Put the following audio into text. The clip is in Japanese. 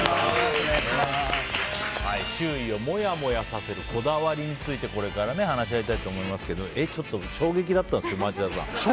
周囲をモヤモヤさせるこだわりについてこれから話し合いたいと思いますけど衝撃だったんですけど、町田さん。